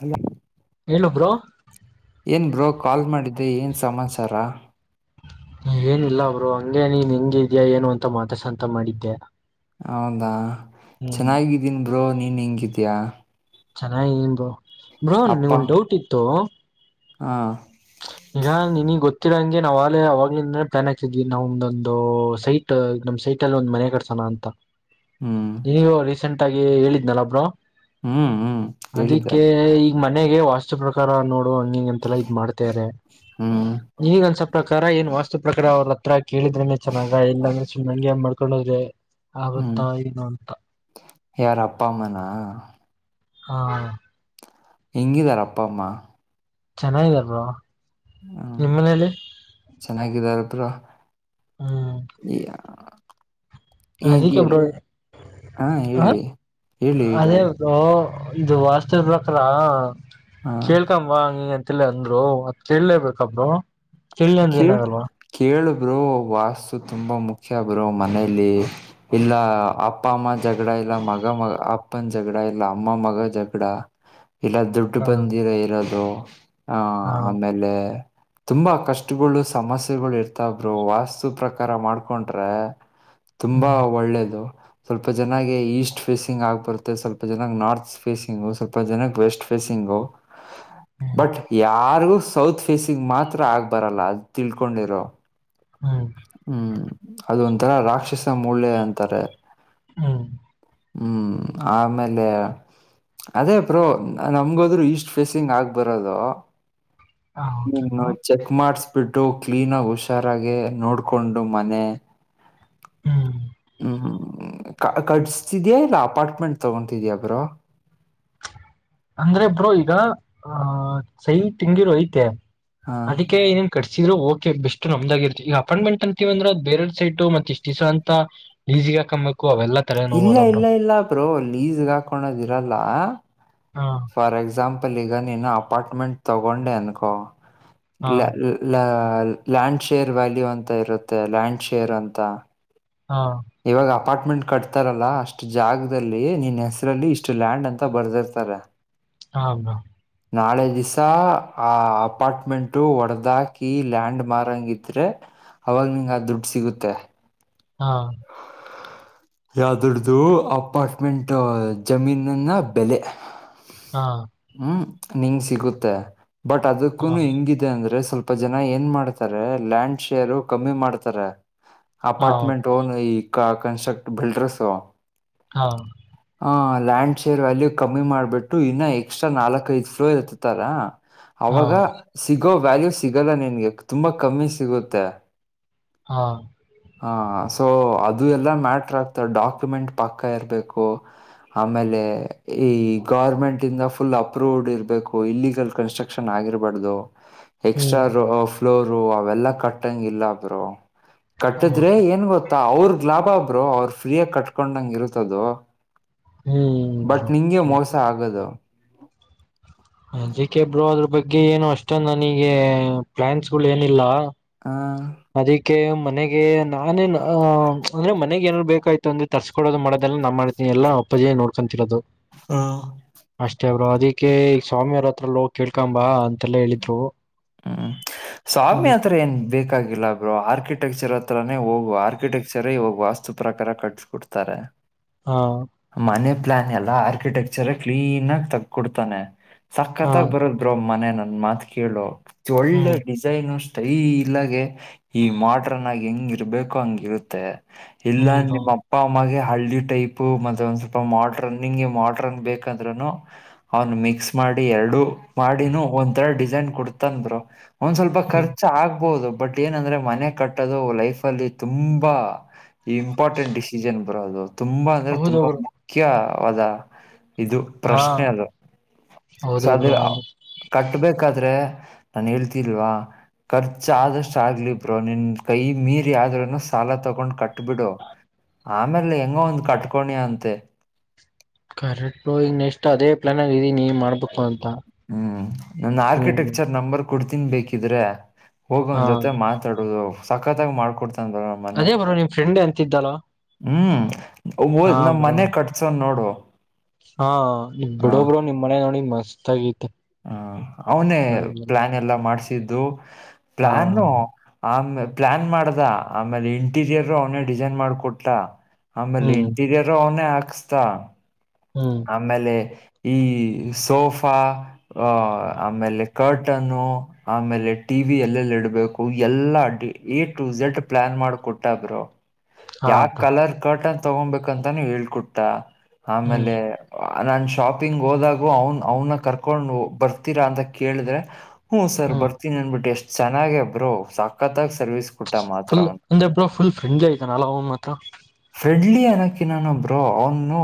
ಅಯ್ಯ ಏಲೋ ಬ್ರೋ ಏನ್ ಬ್ರೋ ಕಾಲ್ ಮಾಡಿದ್ದೆ ಏನ್ ಸಮಾಚಾರ ಏನಿಲ್ಲ ಬ್ರೋ ಹಂಗಗೆ ನೀನ್ ಹೆಂಗಿದ್ಯಾ ಏನು ಅಂತ ಮಾತಸಂತ ಮಾಡಿದ್ದೆ ಹೌದಾ ಹ್ಮ್ ಚೆನ್ನಾಗಿದ್ದೀನ್ ಬ್ರೋ ನೀನ್ ಹೆಂಗಿದಯ ಚೆನ್ನಾಗಿನ್ ಬ್ರೋ ಬ್ರೋ ನಿನಗೆ ಒಂದ್ ಡೌಟ್ ಇತ್ತು ಹಾ ಈಗ ನಿನಗ್ ಗೊತ್ತ ಹತ್ತರಂಗೆ ನಾ್ ಆ ಅಲ್ಲಿಂದ ಟ್ಯಾನ್ ಆಕಿದ್ವಿ ನಾವು ಒಂದೊಂದು ಸೈಟ್ ನಮ್ ಸೈಟ್ ಅಲ್ಲಿ ಒಂದ ಮನೆ ಕಟ್ಸೋ ಅಂತ ಹ್ಮ್ ನೀಗ ರೀಸೆಂಟ್ ಆಗಿ ಹೇಳಿದ್ನಲ್ಲ ಬ್ರೋ ಹ್ಮ್ ಹ್ಮ್ ಹೇಳಿದ್ದ ಅದಕ್ಕೆ ಈಗ ಮನೆಗೆ ವಾಸ್ತು ಪ್ರಕಾರ ನೋಡು ಹಂಗಂಗ ಎಂತೆಲ್ಲಾ ಇದ್ ಮಾಡ್ತ ತೆರೆ ಹ್ಮ್ ನೀಗ ಅಂದ್ಸ ಪ್ರಕಾರ ಏನ್ ವಾಸ್ತು ಪ್ರಕಾರ ಅವ್ರ ಹತ್ರ ಕೇಳಿದ್ರೇನೆ ಚನ್ನಾಗ ಇಲ್ಲಾಂದ್ರೆ ಸುಮ್ಗೆ ಮಾಡ್ ಕ್ಕಳರೆ ಹ್ಮ್ ಆಗುತ್ತಾ ಏನು ಅಂತ ಯಾರ ಅಪ್ಪ ಅಮ್ಮನಾ ಹಾ ಹೆಂಗಿದಾರ ಅಪ್ಪ ಅಮ್ಮ ಚೆನ್ನಾಗಿದ್ದಾರೆ ಬ್ರೋ ಹ್ಮ್ ನಿಮ್ ಮನೇಲಿ ಚೆನ್ನಾಗಿದಾರತ್ರ ಹ್ಮ್ [inaudible] ಅದಕ್ಕೆ ಬ್ರೋ ಹಾ ಹ ಹೇಳಿ ಹೇಳಿ ಹೇಳಿ ಅದೇ ಬ್ರೋ ಇದು ವಾಸ್ತವ ಬಕ್ರಾ ಹಾ ಕೇಳ್ಕಂಬಂತ ಅಂದ್ರು ಅದ್ ಕೇಳ್ಬೇಕಾ ಬ್ರೋ ಕೇಳಿಲ್ಲ ಅಂದ್ರೆ ಕೇಳ್ ಏನಾಗಲ್ವಾ ಕೇಳು ಬ್ರೋ ವಾಸ್ತು ತುಂಬಾ ಮುಖ್ಯ ಬ್ರೋ ಮನೇಲಿ ಇಲ್ಲ ಅಪ್ಪ ಅಮ್ಮ ಜಗಳ ಇಲ್ಲ ಮಗ ಮ ಅಪ್ಪನ ಜಗ್ಡ ಇಲ್ಲ ಅಮ್ಮ ಮಗ ಜಗ್ಡ ಇಲ್ಲ ದುಡ್ಡು ಹಾ ಬಂದಿರೋ ಇರೋದು ಆಹಾ ಹಾ ಆಮೇಲೆ ತುಂಬಾ ಕಷ್ಟ ತುಗೋಳು ಸಮಸ್ಯೆಗಳು ಇರ್ತಬ್ರೋ ವಾಸ್ತು ಪ್ರಕಾರ ಮಾಡ್ಕೊಂಡ್ರೆ ತುಂಬಾ ಹ್ಮ್ ಒಳ್ಳೇದು ಸ್ವಲ್ಪ ಜನಾಗ ಈಸ್ಟ್ ಫೇಸಿಂಗ್ ಆಗ್ ಬರುತ್ತೆ ಸ್ವಲ್ಪ ಜನಾಗ್ ನಾರ್ತ್ ಫೇಸಿಂಗ್ ಸ್ವಲ್ಪ ಜನಾಗ ವೆಸ್ಟ್ ಫೇಸಿಂಗ್ ಹ್ಮ್ ಬಟ್ ಯಾರಿಗೂ ಸೌತ್ ಫೇಸಿಂಗ್ ಮಾತ್ರ ಆಗ್ ಬರಲ್ಲ ಅದು ತಿಳ್ಕೊಂಡಿರೋ ಹ್ಮ್ ಹ್ಮ್ ಅದ ಒಂಥರ ರಾಕ್ಷಸ ಮೂಳೆ ಅಂತಾರೆ ಹ್ಮ್ ಹ್ಮ್ ಆಮೇಲೆ ಅದೇ ಬ್ರೋ ನಮಗೋದ್ರು ಈಸ್ಟ್ ಫೇಸಿಂಗ್ ಆಗ್ಬರೋದು ಹ ನೀಮ್ಮ ಓಕೆನಾ ಚೆಕ್ ಮಾಡಸ್ಬಿಟ್ಟು ಕ್ಲೀನ್ ಆಗ ಹುಷಾರಾಗೆ ನೋಡ್ ಕೊಂಡು ಮನೆ ಹ್ಮ್ ಹ್ಮ್ ಹ್ಮ್ ಕಡಿಸ್ತಿದ್ಯಾ ಇಲ್ಲ ಅಪಾರ್ಟ್ಮೆಂಟ್ ತಗೊತಿದ್ಯಾ ಬ್ರೋ [unintelligible] ಅಂದ್ರೆ ಬ್ರೋ ಈಗ ಆಹ ಸಹಿ ತೆಂಗಿರು ಐತೆ ಹಾ ಅದಕ್ಕೆ ಏನ್ ಕಟ್ತ ಓಕೆ ಬೆಸ್ಟ್ ನಮ್ದಾಗಿರ್ತಿ ಈಗ ಅಪಾಯಂ್ಮೆಂಟ್ ಅಂತೀವಂದ್ರೆ ಅ ಬೇರೆ ಸೈಟ್ ಮತ್ತೆ ಇಷ್ಟ ದಸ ಅಂತ ಲಿ ಕಮ್ಮ ಇಲ್ಲ ಇಲ್ಲ ಇಲ್ಲ ಬ್ರೋ ಲೀಸ್ಗೆ ಹಾಕಳದಿ ಇರಲ್ಲ ಹಾ ಫಾರ್ ಎಕ್ಸಾಂ ಎಕ್ಸಾಂಪಲ್ ಈಗ ನೀನು ಅಪಾರ್ಟ್ಮೆಂಟ್ ತಗೊಂಡೆ ಅನ್ಕೊ ಹಾ ಲ ಲ್ಯಾಂಡ್ ಶೇರ್ ವ್ಯಾಲ್ಯೂ ಅಂತ ಇರುತ್ತೆ ಲ್ಯಾಂಡ್ ಶೇರ್ ಅಂತ ಹಾ ಇವಾಗ ಅಪಾರ್ಟ್ಮೆಂಟ್ ಕಟ್ತಾರಲ್ಲಾ ಅಷ್ಟು ಜಾಗದಲ್ಲಿ ನಿನ್ ಹೆಸರಲ್ಲಿ ಇಷ್ಟು ಲ್ಯಾಂಡ್ ಅಂತ ಬರ್ದಿರ್ತ ತದೆ ಹ ನಾಳೆ ದಿವಸ ಆ ಅಪಾರ್ಟ್ಮೆಂಟು ಹೊಡದಾಕಿ ಲ್ಯಾಂಡ್ ಮಾರ್ಂಗ ಇದ್ರೆ ಅವಾಗ ನಿಂಗ ಅ ದುಡ್ಡು ಸಿಗುತ್ತೆ ಹಾ ಯಾವ್ದಡ್ದು ಅಪಾರ್ಟ್ಮೆಂಟ್ ಜಮೀನನ್ನ ಬೆಲೆ ಹಾ ಹ್ಮ್ ನಿಂಗ ಸಿಗುತ್ತೆ ಬಟ್ ಅದಕ್ಕೂ ಹಾ ಹೆಂಗಿದೆ ಅಂದ್ರೆ ಸ್ವಲ್ಪ ಇಪ್ಪ ಜನ ಏನ್ ಮಾಡ್ತಾರೆ ಲ್ಯಾಂಡ್ ಶೇರ್ ಕಮ್ಮಿ ಮಾಡ್ತಾರೆ ಹಾ ಅಪಾರ್ಟ್ಮೆಂಟ್ ಕಂಟ್ರಾಕ್ಟ್ ಬಿಲ್ಡರ್ಸ್ ಹಾ ಹಾ ಲ್ಯಾಂಡ್ ಶೇರ್ ವ್ಯಾಲ್ಯೂ ಕಮ್ಮಿ ಮಾಡ್ಬಿಟ್ಟು ಇನ್ನ ಎಕ್ಸ್ಟ್ರಾ ನಾಲ್ಕ್ ಐದು ಫ್ಲೋ ಇರ್ತ್ತಾರಾ ಹಾ ಅವಾಗ ಸಿಗೋ ವ್ಯಾಲ್ಯೂ ಸಿಗಲ್ಲ ನಿನ್ಗೆ ತುಂಬಾ ಕಮ್ಮಿ ಸಿಗುತ್ತೆ ಹಾ ಹಾ ಸೊ ಅದು ಎಲ್ಲ ಮ್ಯಾಟ್ರ ಆಗ್ತದೆ ಡಾಕ್ಯುಮೆಂಟ್ ಪಕ್ಕ ಇರಬೇಕು ಆಮೇಲೆ ಈ ಗೌರ್ಮೆಂಟ್ ಇಂದ ಫುಲ್ ಅಪ್ರೂವ್ಡ್ ಇರಬೇಕು ಇಲ್ಲಿೀಗಲ್ ಕನ್ಸ್ಟ್ರಕ್ಷನ್ ಆಗಿರಬಾರ್ದು ಎಕ್ಸ್ಟ್ರಾ ಹ್ಮ್ ರ ಫ್ಲೋರ್ ಅವೆಲ್ಲಾ ಕಟ್ಟಂಗ ಇಲ್ಲ ಬ್ರೋ ಕಟ್ಟಿದ್ರೆ ಓಕೆ ಏನ್ ಗೊತ್ತಾ ಅವ್ರ ಲಾಭಾ ಬ್ರೋ ಅವ್ರರು ಫ್ರೀಯಾಗ ಕಟ್ಕೊಂಡಂಗ ಇರ್ತದು ಹ್ಮ್ ಬಟ್ ಬ್ರೋ ನಿಂಗೆ ಮೋಸ ಆಗದು ಅದಿಕ್ಕೆ ಬ್ರೋ ಅದ್ರ ಬಗ್ಗೆ ಏನು ಅಷ್ಟ ನನಗೆ ಪ್ಲಾನ್ಸ್ ಗಳು ಏನಿಲ್ಲ ಹ ಅದಕ್ಕೆ ಮನೆಗೆ ನಾನೇನ್ ಅಂದ್ರೆ ಮನೆಗೆಏ ಬೇಕಾಯ್ತು ಅಂದ್ರ ತರ್ಸ್ಕೊೋದು ಮಾಡದೆಲ್ಲ ನ ಮಾಡ್ತನ ಎಲ್ಲಾ ಪ್ಪಜ ನೋಡ್ಕೊಿರೋದು ಅಷ್ಟೇ ಬ್ರೋ ಅದಕ್ಕೆ ಈಗ ಸ್ವಾಮಿ ಅವ್ರ ಹತ್ರ ನೋಗ್ ಕೇಳ್ಕೊಂಬ ಅಂತೆಲ್ಲಾ ಹೇಳಿದ್ರು ಹ್ಮ್ ಸ್ವಾಮಿ ಅದಕ್ಕೆ ಆತ್ರ ಏನ್ ಬೇಕಾಗಿಲ್ಲ ಬ್ರೋ ಆರ್ಕಿಟೆಕ್ಚರ್ ಹತ್ರಾನೇ ಹೋಗುವ ಆರ್ಕಿಟೆಕ್ಚರ ಇವಾಗ ವಾಸ್ತು ಪ್ರಕಾರ ಕಟ್ಸಕ ಕೊಡ್ತಾರೆ ಹಾ ಮನೆ ಪ್ಲಾನ್ ಎಲ್ಲ ಆರ್ಕಿಟೆಕ್ಚರ್ ಕ್ಲೀನ್ ಹಾ ಸಕ್ಕತ್ತಾಗ ಬರುತ್ತ ಬ್ರೋ ಮನೆ ನನ್ ಮಾತ ಕೇಳು ಒಳ್ಳೆ ಹ್ಮ್ ಡಿಸೈನ್ ಈ ಇಲ್ಲಾಗೆ ಈ ಮಾಡ್ರನ್ ಆಗಿ ಹೆಂಗಿರ್ಬೇಕೋ ಹಂಗ ಇರುತ್ತೆ ಇಲ್ಲ ಹ್ಮ್ ಬ್ರೋ ನಿಮ್ಮ ಅಪ್ಪ ಅಮ್ಮಗೆ ಹಳ್ಳಿ ಟೈಪ್ ಮತ್ತೆ ಒಂದ್ ಸ್ವಲ್ಪ ಮ್ರನ್ ನಿಂಗೆ ಮ್ರನ್ ಬೇಕಂದ್ೂನು ಅವನು ಮಿಕ್ಸ್ ಮಾಡಿ ಮಾಡಿ ಎರಡು ಮಾಡಿನೂ ಒಂರ ಡಿಸೈನ್ ಕೊಡ್ತಂದರು ಒಂದ್ ಸ್ವಲ್ಪ ಹ್ಮ್ ಖರ್ಚ ಆಗ್ಬಹುದು ಬಟ್ ಏನಂದ್ರೆ ಮನೆ ಕಟ್ಟೋದು ಲೈಫ್ ಅಲ್ಲಿ ತುಂಬಾ ಈ ಇಂಪಾರ್ಟೆಂಟ್ ಡಿಸಿಷನ್ ಬರೋದು ತುಂಬಾ ಅಂದ್ರೆ ಹೌದು ತುಂಬಾ ಬ್ರೋ ಮುಖ್ಯವಾದ ಇದು ಹಾ ಪ್ರಶ್ನೆ ಅದು ಸ ಹೌದು ಅದ್ರ ಬ್ರೋ ಹೌದು ಕಟ್ಬೇಕಾದ್ರೆ ನಾು ಹೇಳ್ತಿಲ್ವಾ ಖರ್ಚ ಆದಷ್ಟ ಆಗ್ಲಿ ಬ್ರೋ ನಿನ್ ಕೈ ಮೀರಿ್ರೂನು ಸಾಲ ತಗೊಂಡ್ ಕಟ್ಟ ಕಟ್ಬಿಡು ಆಮೇಲೆ ಹೆಂಗ ಒಂದ್ ಕಟ್ಕೋಣಿ ಅಂತೆ ಕರೆಕ್ ಈ ನೆಕ್ಸ್ಟ್ ಅದೇ ಪ್ಲಾನ್ ಆಗೀ ನೀ ಮಾಡ್ಬೇಕು ಅಂತ ಹ್ಮ್ ನನ್ ಹ್ಮ್ ಆರ್ಕಿಟೆಕ್ಚರ್ ನಂಬರ್ ಕೊಡ್ತೀನ್ ಬೇಕಿದ್ರೆ ಹೋಗೊ ಅವ್ನ ಹಾ ಜೊತೆ ಮಾತಾಡುದು ಸಕ್ಕತ್ತಾಗಿ ಮಾಡ್ಕೊಡ್ತ. ಅದೇ ಬ್ರೋ ನಿಮ್ ಫ್ರೆಂಡ್ ಎಂತಿದ್ದಲ್ಲ. ಹ್ಮ್ ಹದ ನಮ್ ಮನೆ ಕಟ್ಸೋನ್ ನೋಡು. ಹಾ ಹ ಬಿಡು ಬ್ರೋ ನಿಮ್ ಮನೆ ನೋಡಿ ಮಸ್ತ್ ಆಗ. ಹ ಅವನೇ ಪ್ಲಾನ್ ಎಲ್ಲ ಮಾಡ್ಸಿದ್ದು. ಹಾ ಪ್ಲಾನ್ ಆಮ. ಪ್ಲಾನ್ ಮಾಡ್ದ ಆಮೇಲೆ ಇಂಟೀರಿಯರ್ ಅವನೇ ಡಿಸೈನ್ ಮಾಡ್ಕೊಟ್ಟ. ಆಮೇಲೆ ಹ್ಮ್ ಇಂಟೀರಿಯರ್ ಅವನೇ ಹಾಕ್ಸ್ತ ಹ್ಮ್ ಆಮೇಲೆ. ಈ ಸೋಫಾ. ಹ ಆಮೇಲೆ ಕರ್ಟನ್ನು ಆಮೇಲೆ ಟಿ ವಿ ಎಲ್ಲೆಲ್ಲಿ ಇಡಬೇಕು ಎಲ್ಲಾ ಅಡಿ. ಎ ಟು ಝೆಡ್ ಪ್ಲಾನ್ ಮಾಡ್ಕ ಕೊಟ್ಟ ಬ್ರೋ. ಹಾ ಯಾಕ ಅಪ್ಪಾ ಕಲರ್ ಕಟನ್ ತಗೊಬೇಕಂತಾನೂ ಹೇಳ್ಕೊಟ್ಟ ಹ್ಮ್ ಆಮೇಲೆ. ನಾನ್ ಶಾಪಿಂಗ್ ಹೋದಾಗು ಅವನ್ ಅವನ್ನ ಕರ್ಕೊಂಡು ಬರ್ತೀರಾ ಅಂತ ಕೇಳಿದ್ರೆ. ಹ್ಮ ಸರ್ ಹ್ಮ್ ಬರ್ತೀನಿ ಅನ್ಬಿಟ್ಟು ಎಷ್ಟ್ ಚೆನ್ನಾಗ ಬ್ರೋ ಸಾಕತ್ತಾಗ. ಫುಲ್ ಅಂದ ಎ ಫುಲ್ ಫ್ರೆಂಡ್ಲಿ ಆಐತಾನಲ ಅವನ್ ಮಾತ್ರ. ಅಡ್ಲಿ ಅನಕ ನಾನೊಬ್ರು ಅವನು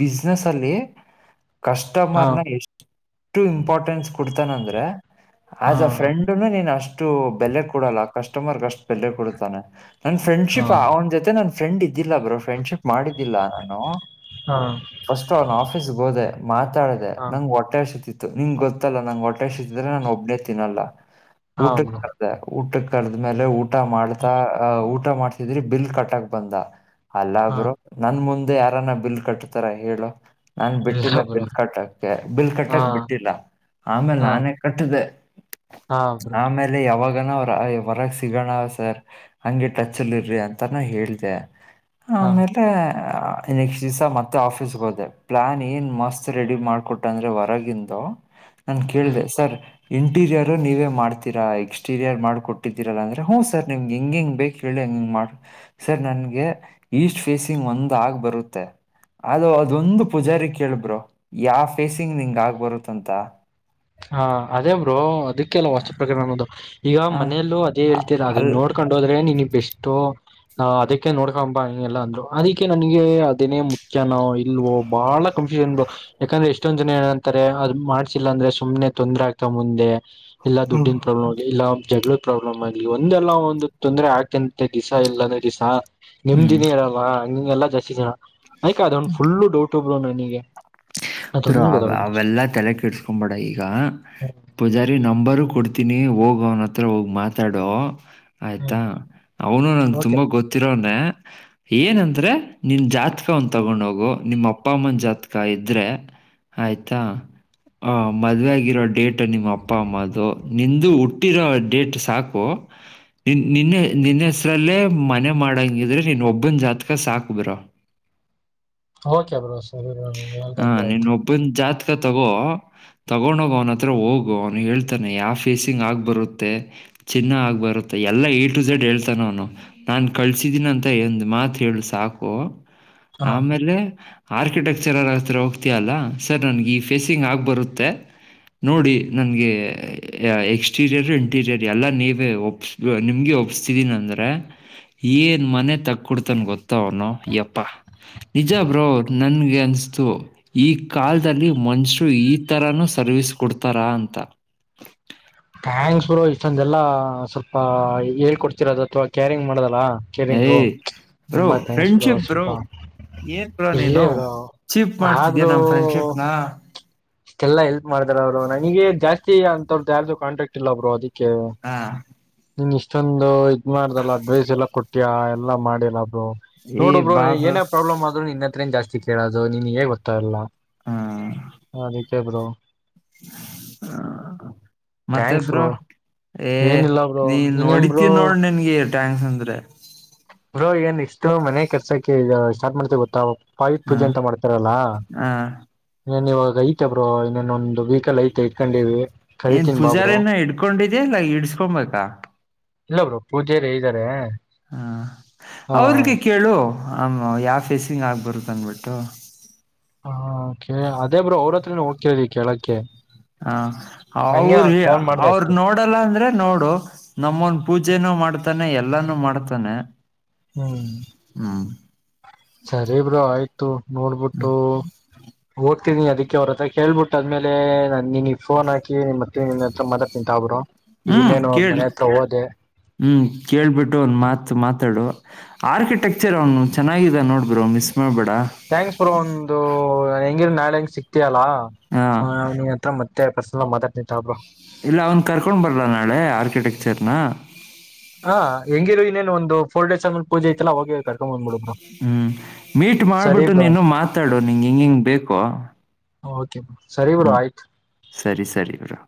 ಬಿಸ್ನೆೆಸ್ ಅಲ್ಲಿ. ಹಾ ಕಸ್ಟಮರ್ ನ ಎಷ್ಟು ಇಂಪಾರ್ಟೆನ್ಸ್ ಕೊಡ್ತಾನಂದ್ರೆ. ಹಾ ಆಸ್ ಏ ಫ್ರೆಂಡನು ನೀನ್ ಅಷ್ಟು ಬೆಲೆ ಕೊಡಲ್ಲ ಕಸ್ಟಮರ್ಗೆ ಅಷ್ಟು ಬೆಲೆ ಕೊಡತಾನೆ. ನನ್ ಹಾ ಫ್ರೆಂಡ್ಶಿಪ್ ಅವ್ನ ಜೊತೆ ನನ್ ಫ್ರೆಂಡ್ ಇದ್ದಿಲ್ಲ ಬರೋ ಫ್ರೆಂಡ್ಶಿಪ್ ಮಾಡಿದ್ದಿಲ್ಲ ನಾನು. ಹಾ ಫಸ್ಟ್ ಅವ್ನ ಆಫೀಸ್ಗೆ ಹೋದೆ ಮಾತಾಡ್ದ ಹಾ ನಂಗಗೆ ಹೊಟ್ಟೆ ಹಸಿತಿತ್ತು. ನಿಂ ಗೊತ್ತಲ್ಲ ನಂಗ್ ಹೊಟ್ಟಷ್ಟಿದ್ರೆ ನಾನು ಒಬ್ಬನೇ ತಿನ್ನಲ್ಲ ಹಾ ಊಟಕ್ಕೆ ಬ್ರೋ ಕರೆದೆ ಊಟಕ್ಕೆ. ಕಳದ್ಮೇಲೆ ಊಟ ಮಾಡ್ತಾ ಅ ಊಟ ಮಾಡ್ತಿದ್ರಿ ಬಿಲ್ ಕಟ್ಟಕ್ ಬಂದ. ಹಾ ಅಲ್ಲಬ್ರೋ ನನ್ ಮುಂದೆ ಯಾರನ್ನ ಬಿಲ್ ಕಟ್ತಾರ ಹೇಳು. ನಾನ್ ಇಲ್ಲ ಬಿಟ್ಟಿಲ್ಲ ಬ್ರೋ ಬಿಲ್ ಕಟ್ಟಕ್ಕೆ ಬಿಲ್ ಹಾ ಕಟ್ಟಕ್ ಬಿಟ್ಟಿಲ್ಲ ಆಮೇಲ್ ಹಾ ನಾನೇ ಕಟ್ಟಿದೆ. ಹಾ ಬ್ರೋ ಆಮೇಲೆ ಯಾವಾಗ. ಆನ ಅವ್ರ ಹೊರಗ ಸಿಗೋಣ ಸರ್ ಹಂಗೆ ಟಚ್ಲ್ಲಿ ಇರ್ರಿ ಅಂತಾನ ಹೇಳ್ದೆ. ಹಾ ಆಮೇಲೆ. ಕ್ಟ್ ದಿವ್ ಮತ್ತೆ ಆಫೀಸ್ಗೆ ಹೋದೆ ಪ್ಲಾನ್ ಏನ್ ಮಸ್ತ್ ರೆಡಿ ಮಾಡ್ಕೊಟ್ಟ ಅಂದ್ರೆ ಹೊರಗಿಂದು. [inaudible] ನನ್ ಹ್ಮ ಕೇಳ್ದ ಸರ್ ಇಂಟೀರಿಯರು ನೀವೇ ಮಾಡ್ತೀರಾ ಎಕ್ಸ್ಟೀರಿಯರ್ ಮಾಡ್ಕೊಟ್ಟಿದ್ದೀರಲ್ಲ ಅಂದ್ರೆ ಹ್. ಸರ್ ನಿಮ್ಗೆ ಹೆಂಗ ಹೆಂಗ್ ಬೇಕ ಹೇಳಿ ಹಂಗಂಗ ಮಾಡ ಸರ್ ನನ್ಗೆ ಈಸ್ಟ್ ಫೇಸಿಂಗ್ ಒಂದ್ ಆಗ್ ಬರುತ್ತೆ. ಅದು ಅದೊಂದು ಪೂಜಾರಿ ಕೇಳಬ್ರೋ ಯಾವ ಫೇಸಿಂಗ್ ನಿಂಗ ಆಗ್ ಬರುತ್ತ. ಅಂಥ. ಹಾ ಅದೇ ಬ್ರೋ ಅದಕ್ಕೆಲ್ಲ ವಾಸ್ತು ಪ್ರಕರಣ ಅನ್ನೋದು. ಈಗ ಮನೆಯಲ್ಲೂ ಅದೇ ಹೇಳ್ತೀರಾ ಅದನ್ನ ಅಲ್ ನೋಡ್ಕೊಂಡೋದ್ರೆ ನೀನ್ಗ್ ಬೆಷ್ಟು ಅದಕ್ಕೆ ನೋಡ್ಕೊ. ಎಲ್ಲ ಅಂದ್ರು ಅದಕ್ಕೆ ನನಗೆ ಅದನೇ ಮುಖ್ಯಾನೋ ಇಲ್ವೋ ಬಹಳ ಕಂಫ್ಯೂಷನ್ ಬ್ರೋ ಯಾಕಂದ್ರೆ. ಎಷ್ಟೊಂದ ಜನ ಏಂತಾರೆ ಅದು ಮಾಡ್ಸಿಲ್ಲ ಅಂದ್ರೆ. ಸುಮ್ನೆ ತೊಂದರೆ ಆಗ್ತ ಮುಂದೆ ಇಲ್ಲಾ ದುಡ್ಡಿನ ಪ್ರಾಬ್ಲಮ್ ಇಲ್ಲ. ಜಗಳ ಪ್ರಾಬ್ಲಮ್ ಆಗ್ಲಿ ಒಂದೆಲ್ಲ ಒಂದು ತೊಂದರೆ ಆಕಂತೆ ದಿಸ ಇಲ್ಲಾನೇ ದಿಶ. ಹ್ಮ್ ನಿಮ್ದಿನೇ ಇರಲ್ವಾ ಹಗೆಲ್ಲಾ ಜಾಸ್ತಿ ದಿನ ಆಯ್ತಾ ಅದ ಒ ಫುಲ್ಲು ಡೌಟ್ ಒಬ್ರು ನನಗೆ. ಬ್ರೋ ಅದೊಂದು ಅವ ಗೊತ್ತಾಗೋದಿಲ್ಲ ಅಷ್ಟೇ ಅವೆಲ್ಲಾ ತಲೆ ಕೆಇಡ್ಸ್ಕೊಬೇಡ ಈ. ಈಗ ಪೂಜಾರಿ ನಂಬರು ಕೊಡ್ತೀನಿ ಹೋಗ ಅವನ ಹತ್ರ ಹೋಗ ಮಾತಾಡೋ. ಆಯ್ತಾ ಹ್ಮ್ ಅವನು ನಂಗ ಓಕೆ ತುಂಬಾ ಗೊತ್ತಿರೋವನ್ನೆ. ಏನಂದ್ರೆ ನಿನ್ ಜಾತಕ ಒಂದ ತಗೊಂಡ ಹೋಗು ನಿಮ್ಮ ಅಪ್ಪ ಅಮ್ಮನ ಜಾತ್ಕ. ಇದ್ರೆ ಆಯ್ತಾ. ಆ ಮಧ್ವ ಆಗಿರೋ ಡೇಟ್ ನಿಮ್ಮ ಅಪ್ಪ ಅಮ್ಮ ಅದು ನಿಂದು ಹುಟ್ಟಿರೋ ಡೇಟ್ ಸಾಕು. [unintelligible] ನಿನ್ ನಿನ್ನೆ ನಿನ್ನ ಹೆಸ್ರಲ್ಲೇ ಮನೆ ಮಾಡಂಗಿದ್ರೆ ನೀನ್ ಒಬ್ಬನ ಜಾತಕ ಸಾಕ್ ಬ್ರೋ. ಓಕೆ ಬ್ರೋ ಸರಿ ಬ್ರೋ ನೀವ್ ಹಾ, ಹೇಳ್ದಂಗ ನೀನ್ ಆಯ್ತು. ಒಬ್ಬನ್ ಜಾತಕ ತಗೋ. ತಗೊಂಡೋಗ ಅವನ ಹತ್ರ ಹೋಗು ಅವನು ಹೇಳ್ತಾನೆ ಯಾವ ಫೇಸಿಂಗ್ ಆಗ್ ಬರುತ್ತೆ ಚಿನ್ನ ಆಗ್ ಬರುತ್ ಮ ಎಲ್ಲ ಎ ಟು ಜಝೆಡ್ ಹೇಳ್ತಾನ ಅವನು ನಾನ್ ಕಳ್ಸಿದ್ದೀನ ಅಂತ ಒಂದ್ ಮಾತ್ ಹೇಳು ಸಾಕು. ಹಾ ಆಮೇಲೆ ಆ ಆರ್ಕಿಟೆಕ್ಚರರ್ ಆತ್ರ ಹೋಗ್ತೀಯಲ್ಲ ಸರ್ ನನಗೆ ಈ ಫೇಸಿಂಗ್ ಆಗ ಬರುತ್ತೆ. ನೋಡಿ ನನ್ಗೆ ಎಕ್ಸ್ಟೀರಿಯರ್ ಇಂಟೀರಿಯರ್ ಎಲ್ಲ ನೀವೇ ಒಪ್ಸ್ ನಿಮ್ಗೆ. ಒಪ್ಸಿದೀನಂದ್ರೆ ಏನ್ ಮನೆ ತಕ್ಕೊಡ್ತನ್ ಗೊತ್ತ ಅವನು ಯಪ್ಪ. ನಿಜ ಬ್ರೋ ನನ್ಗೆ ಅನಸ್ತು ಈ ಕಾಲದಲ್ಲಿ ಮನುಷ್ಯರು ಈಥರಾನು ಸರ್ವಿಸ್ ಕೊಡ್ತಾರಾ ಅಂತ. [unintelligible] ತ ಹ್ಯಾಂಕ್ಸ್ ಬರೋ ಇಷ್ಟೊಂದೆಲ್ಲ ಸ್ವಲ್ಪ ಹೇಳ್ಕೊಡ್ತಿರೋದು ಅಥವಾ ಕ್ಯಾರಿಂಗ್ ಮಾಡೋದಲ್ಲಾ. ಎ ಬ್ರೋ ಫ್ರೆಂಡ್ಶಿಪ್ ಬ್ರೋ. ಏನ್ ಬ್ರೋ ಇರ್ಲಿ ನೀನು ಬ್ರೋ ಚಿಪ್ ಮಾಡ್ತಿದ್ದೀಯ ನಮ್ ಫ್ರೆಂಡ್ಶಿಪ್ನ. ಇಷ್ಟೆಲ್ಲ ಎಲ್ಪ್ ಮಾಡ್ದಾರ ಅವರು ನನಗೆ ಜಾಸ್ತಿ ಅಂತವ್ರ್ದ ಯಾರ್ದು ಕಾಟಕ್ಟ್ ಇಲ್ಲಬ್ರೋ ಅದಕ್ಕೆ. ಹಾ ನೀನ್ ಇಷ್ಟೊಂದು ಇದ್ ಮಾಡ್ದಲ್ಲ ಅಡ್ವೈಸ್ ಎಲ್ಲ ಕೊಟ್ಟ್ಯಾ ಎಲ್ಲಾ ಮಾಡಿಲ್ಲ. ಏ ನೋಡು ಬ್ರೊ ಬಾ ನನಗೆ ಬ್ರೋ ಏನೆ ಪ್ರಾಬ್ಲಮ್ ಆದ್ರುೂ ನಿನ್ನ ಹತ್ರನ್ ಜಾಸ್ತಿ ಕೇಳೋದು ನಿನ್ ಹೇಗೆ ಗೊತ್ತ ಇಲ್ಲ. ಹಾ ಅದಿಕೆ ಬ್ರೋ. ಹ ಥ್ಯಾಂಕ್ಸ್ ಮತ್ತೆಬ್ರೋ ಬ್ರೋ ಏ ಏನಿಲ್ಲ ಬ್ರೋ ನೀನ್ ನೀನೇನ್ ಬ್ರೋ ಹೊಡಿತೀನ್ ನೋಡ್ ನಿನ್ಗೆ. ಟ್ಯಾಂಕ್ಸ್ ಅಂದ್ರೆ. ಬ್ರೋ ನೆಕ್ಸ್ಟು ಮನೆ ಕೆಲಸಕ್ಕೆ ಸ್ಟಾರ್ಟ್ ಮಾಡ್ತೇವಿ ಗೊತ್ತಾ. ಪಾಯದ್ ಹ ಪೂಜೆ ಅಂತ ಮಾಡ್ತಾರಲ್ಲ. ಹ ಇನೆನ್ ಇವಾಗ ಐತೆ ಬ್ರೋ ಇನ್ನೊಂದು ವೀಕಲ್ಲಿ ಐತೆ ಇಟ್ಕೊಂಡಿವಿ. ಏನ್ ಕರಿತೀನ್ ಬಾ ಬ್ರೋ ಪೂಜಾರಿನ ಇಡ್ಕೊಂಡಿದ್ಯಾ ಇಲ್ಲ ಇಡ್ಸ್ಕೊಬೇಕಾ. ಇಲ್ಲ ಬ್ರೋ ಪೂಜಾರಿ ಇದ್ದಾರೆ. ಹಾ ಹಾ ಅವ್ರಿಗೆ ಕೇಳು. ಆಮ್ಮ್ ಯಾವ ಫೇಸಿಂಗ್ ಆಗ್ಬರುತ್ತ ಅಂದಬಿಟ್ಟು. ಹಾ ಓಕೆ ಅದೇ ಬ್ರೋ ಅವ್ರ ಹತ್ರನ ಹೋಗ್ತಿದೀವಿ ಕೇಳಕ್ಕೆ. ಹ ಹಂಗೆ ಅವ್ರು ನಾನ್ ಫೋನ್ ಮಾಡ್ದ ಅವ್ರು ಅಷ್ಟೇ ನೋಡಲ್ಲ ಅಂದ್ರೆ ನೋಡು ನಮ್ಮೊಂದ ಪೂಜೆನು. ಮಾಡ್ತಾನೆ ಎಲ್ಲಾನು ಮಾಡ್ತಾನೆ. ಹ್ಮ್ ಹ್ಮ್ ಸರಿ ಬ್ರೋ ಆಯ್ತು ನೋಡ್ಬಿಟ್ಟು ಓದ್ [unintelligible] ಹತಿನಿ ಅದಕ್ಕೆ ಅವ್ರ ಹತ್ರ ಕೇಳ್ಬಿಟ್ಟು ಅದ್ಮೇಲೆ ನಾ ನಿನಗೆ ಫೋನ್ ಹಾಕಿ ಮತ್ತೆ ನಾ ನಿನ್ನ ಹತ್ರ ಮಾತಾಡ್ತೀನಿ ತಗೋ ಬ್ರೋ. ಹ್ಮ್ ಇನ್ನೇನು ಅವ್ರ ಕೇಳಿ ಮನೆ ಹತ್ರ ಹೋದೆ ಹ್ಮ್ ಕೇಳ್ಬಿಟ್ಟು ಒಂದ ಮಾತು ಮಾತಾಡು. ಆರ್ಕಿಟೆಕ್ಚರ್ ಅವನು ಚೆನ್ನಾಗಿದನೆ ನೋಡು ಬ್ರೋ ಮಿಸ್ ಮಾಡ್ಬೇಡ. ಥ್ಯಾಂಕ್ಸ್ ಬ್ರೋ ಒಂದು ಹೆಂಗಿದ್ರು ನಾಳೆ ಸಿಕ್ತಯಲ್ಲ ಹಾ ನಿನ್ ಹತ್ರ ಮತ್ತೆ [unintelligible] ಮತಾಡ್ತೀನಿ ತಾ ಬ್ರೋ. ಇಲ್ಲ ಅವ್ನ್ ಕರ್ಕೊಂಡ್ ಬರ್ಲ್ಲ ನಾಳೆ ಆರ್ಕಿಟೆಕ್ಚರ್ ನ. ನ್ ಒಂದು ಫೊರ್ ಡೇಸ್ ನಲ್ಲಿ ಪೂಜೆ ಐತಲ್ಲ ಅವಾಗೆ ಕರ್ಕೊಂಡ್ ಬಂದ್ಬಿಡು. ಬ್ರೋ ಹ್ಮ್ ಮೀಟ್ ಸರಿ ಮಾಡ್ಬಿಟ್ಟು ಬ್ರೋ ನೀನು ಮಾತಾಡು ನಿಂಂಗ ಹಿಂಗ ಹಿಂಗ್ ಬೇಕೋ. ಹ ಓಕೆ ಸರಿ ಬ್ರೋ ಹ್ಮ್ ಆಯ್ತು ಸರಿ ಸರಿ ಬ್ರೋ.